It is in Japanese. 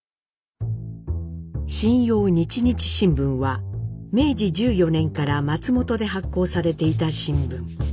「信陽日々新聞」は明治１４年から松本で発行されていた新聞。